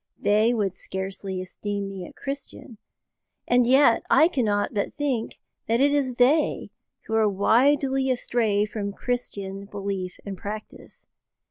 They would scarcely esteem me a Christian; and yet I cannot but think that it is they who are widely astray from Christian belief and practice.